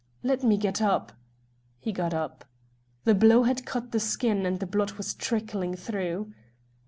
"Let me get up." He got up. The blow had cut the skin, and the blood was trickling through.